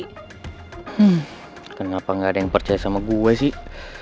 hmm kenapa gak ada yang percaya sama gue sih